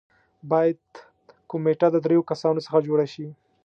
باید کمېټه د دریو کسانو څخه جوړه شي.